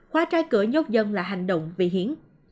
khóa trái cửa nhốt dân là hành động vì hiến